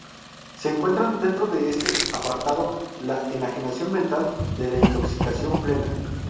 Se encuentran dentro de este apartado la enajenación mental o la intoxicación plena.